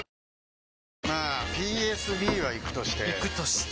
まあＰＳＢはイクとしてイクとして？